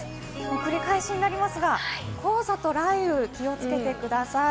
繰り返しになりますが、黄砂と雷雨に気をつけてください。